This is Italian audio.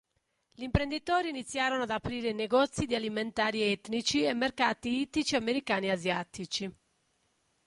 Gli imprenditori iniziarono ad aprire negozi di alimentari etnici e mercati ittici americani asiatici.